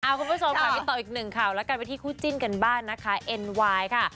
คุณผู้ชมค่ะไปต่ออีกหนึ่งข่าวแล้วกันไปที่คู่จิ้นกันบ้างนะคะเอ็นไวน์ค่ะ